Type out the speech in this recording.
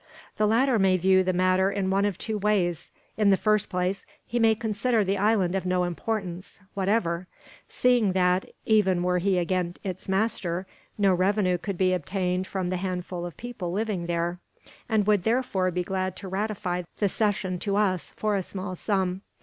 "The latter may view the matter in one of two ways. In the first place, he may consider the island of no importance, whatever; seeing that, even were he again its master, no revenue could be obtained from the handful of people living there; and would therefore be glad to ratify the cession to us, for a small sum.